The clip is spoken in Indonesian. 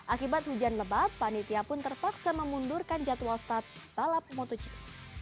akibat hujan lebat panitia pun terpaksa memundurkan jadwal start balap motogp